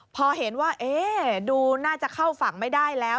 พอเห็นว่าดูน่าจะเข้าฝั่งไม่ได้แล้ว